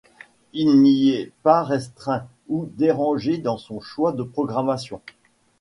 Il n’y est pas restreint ou dérangé dans son choix de programmation.